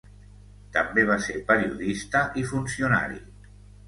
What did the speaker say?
També va ser periodista i funcionari.